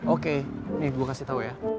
oke nih gue kasih tau ya